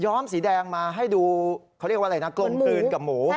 ้อมสีแดงมาให้ดูเขาเรียกว่าอะไรนะกลมกลืนกับหมู